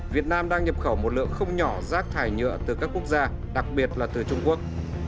việt nam đang nhập khẩu một lượng không nhỏ rác thải nhựa từ các quốc gia đặc biệt là từ trung quốc